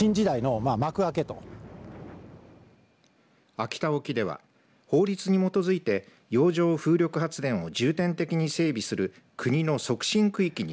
秋田沖では法律に基づいて洋上風力発電を重点的に整備する国の促進区域に